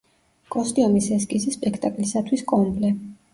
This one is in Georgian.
კოსტიუმის ესკიზი სპექტაკლისათვის „კომბლე“.